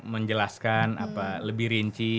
menjelaskan apa lebih rinci